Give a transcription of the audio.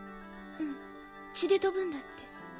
うん血で飛ぶんだって。